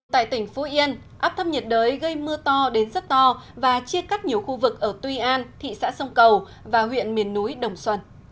tại tỉnh phú yên áp thấp nhiệt đới gây mưa to đến rất to và chia cắt nhiều khu vực ở tuy an thị xã sông cầu và huyện miền núi đồng xuân